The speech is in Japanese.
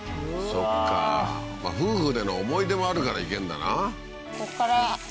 そっかまあ夫婦での思い出もあるから行けんだな